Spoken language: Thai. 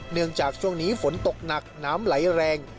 เนื่องจากช่วงนี้ฝนตกหนักน้ำไหลแรง